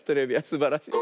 すばらしい。